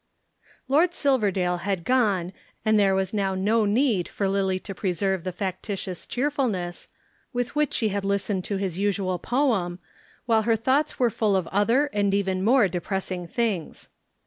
Lord Silverdale had gone and there was now no need for Lillie to preserve the factitious cheerfulness with which she had listened to his usual poem, while her thoughts were full of other and even more depressing things.